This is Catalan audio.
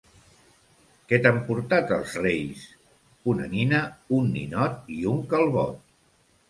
Què t'han portat els reis? —Una nina, un ninot i un calbot!